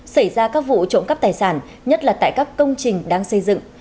xảy ra các vụ trộm cắp tài sản nhất là tại các công trình đang xây dựng